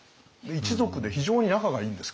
一族で非常に仲がいいんです。